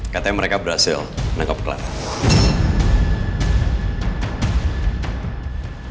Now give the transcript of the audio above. katanya mereka berhasil menangkap kelas